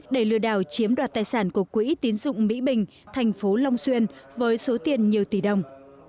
để lừa đảo chiếm đoạt tài sản của quỹ tín dụng mỹ bình thành phố long xuyên với số tiền nhiều tỷ đồng